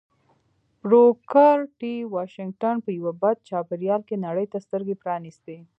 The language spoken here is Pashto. بروکر ټي واشنګټن په یوه بد چاپېريال کې نړۍ ته سترګې پرانيستې